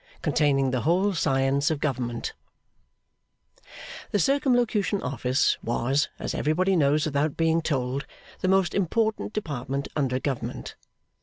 Containing the whole Science of Government The Circumlocution Office was (as everybody knows without being told) the most important Department under Government.